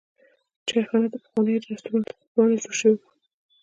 چایخانه د پخوانیو رسټورانټونو په بڼه جوړه شوې وه.